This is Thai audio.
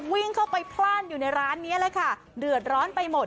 วิ่งเข้าไปพลาดอยู่ในร้านนี้เลยค่ะเดือดร้อนไปหมด